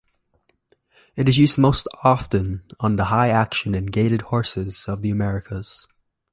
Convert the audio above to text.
It is used most often on the high-action and gaited horses of the Americas.